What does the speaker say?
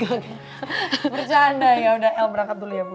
bercanda yaudah el berangkat dulu ya bu